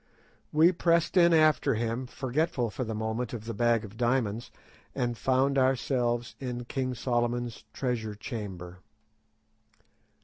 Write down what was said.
We pressed in after him, forgetful for the moment of the bag of diamonds, and found ourselves in King Solomon's treasure chamber.